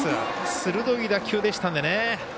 鋭い打球でしたんでね。